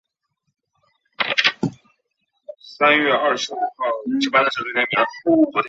黑暗豹蛛为狼蛛科豹蛛属的动物。